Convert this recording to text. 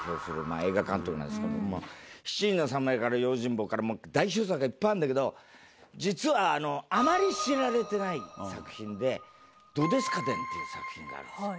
『七人の侍』から『用心棒』から代表作がいっぱいあるんだけど実はあまり知られてない作品で『どですかでん』っていう作品があるんですよ。